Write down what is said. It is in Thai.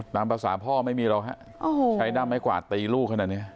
ตามภาษาพ่อไม่มีหรอกฮะใช้ด้ามไม้กวาดตีลูกขนาดนี้